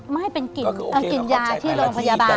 ไม่เป็นกลิ่นเอากลิ่นยาที่โรงพยาบาล